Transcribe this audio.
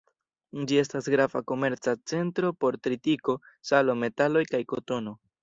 Ĝi estas grava komerca centro por tritiko, salo, metaloj kaj kotono.